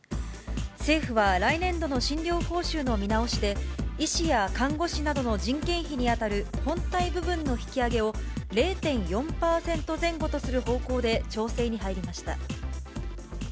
政府は来年度の診療報酬の見直しで、医師や看護師などの人件費に当たる本体部分の引き上げを０．４％前後とする方向で調整に入りました。